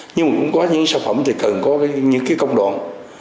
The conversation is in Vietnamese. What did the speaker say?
nhưng mà cũng có những sản phẩm thì cần có những cái công đoạn